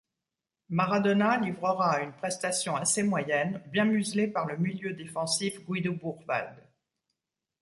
Maradona livrera une prestation assez moyenne, bien muselé par le milieu défensif Guido Buchwald.